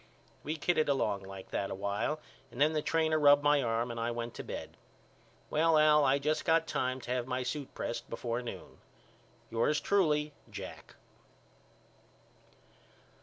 We kidded along like that a while and then the trainer rubbed my arm and I went to bed. Well Al I just got time to have my suit pressed before noon. Yours truly, JACK.